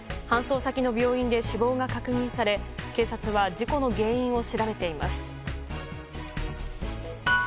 搬送先の病院で死亡が確認され警察は事故の原因を調べています。